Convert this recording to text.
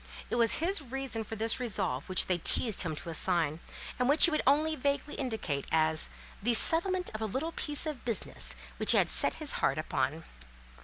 It was his reason for this resolve which they teased him to assign, and which he would only vaguely indicate as "the settlement of a little piece of business which he had set his heart upon."